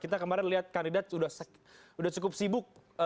kita kemarin lihat kandidat sudah cukup sibuk